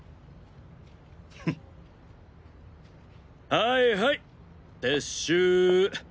はいはい撤収。